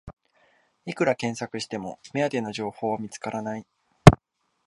いくら検索しても目当ての情報は見つからない